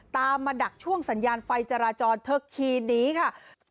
ตามมาดักช่วงสัญญาณไฟจราจรเธอขี่หนีค่ะ